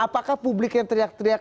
apakah publik yang teriak teriak